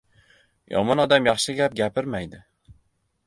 • Yomon odam yaxshi gap gapirmaydi.